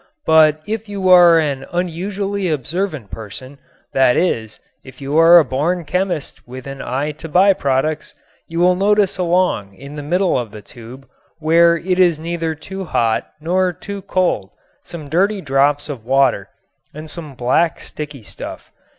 But if you are an unusually observant person, that is, if you are a born chemist with an eye to by products, you will notice along in the middle of the tube where it is neither too hot nor too cold some dirty drops of water and some black sticky stuff.